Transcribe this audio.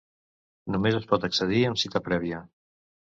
Només es pot accedir amb cita prèvia.